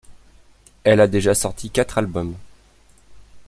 Elle a déjà sorti quatre albums.